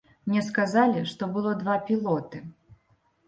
Мне сказалі што было два пілоты.